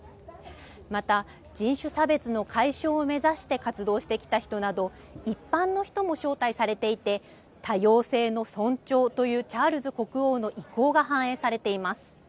また人種差別の解消を目指して活動してきた人など、一般の人も招待されていて、多様性の尊重というチャールズ国王の意向が反映されています。